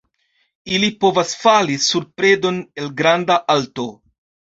Ili povas "fali" sur predon el granda alto.